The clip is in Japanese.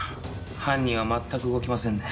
犯人はまったく動きませんね。